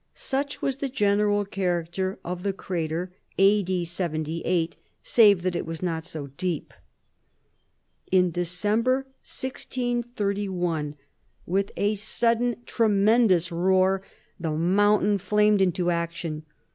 Such was the general character of the crater in A. D., 78, save that it was not so deep. In December, 1631, with a sudden, tremendous roar, the mountain flamed into action.